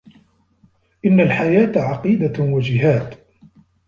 إن الحياة عقيدة وجهاد